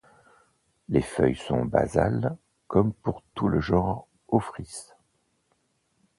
Les feuilles sont basales comme pour tout le genre Ophrys.